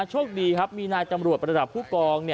โชคดีครับมีนายตำรวจประดับผู้กอง